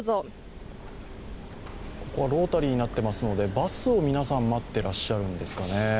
ここはロータリーになっていますので、バスを皆さん待っていらっしゃるんですかね？